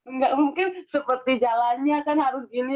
nggak mungkin seperti jalannya kan harus gini